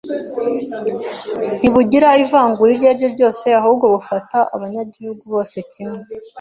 Ntibugira ivangura iryo ari ryo ryose, ahubwo bufata abanyagihugu bose kimwe